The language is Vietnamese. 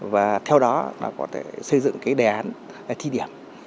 và theo đó có thể xây dựng đề án thí điểm